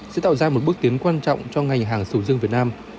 sẽ tạo ra một bước tiến quan trọng cho ngành hàng sầu riêng việt nam